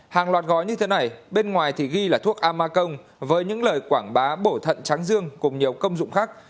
hàng loạt gói như thế này bên ngoài thì ghi là thuốc ama công với những lời quảng bá bổ thận tráng dương cùng nhiều công dụng khác